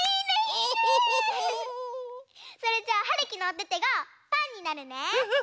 それじゃあはるきのおててがパンになるね！